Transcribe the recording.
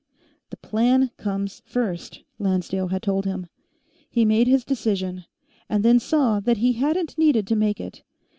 The Plan comes first, Lancedale had told him. He made his decision, and then saw that he hadn't needed to make it.